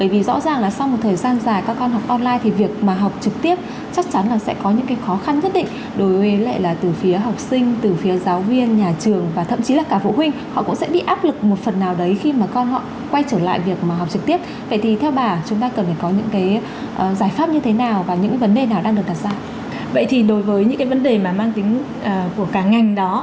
vậy thì đối với những cái vấn đề mà mang tính của cả ngành đó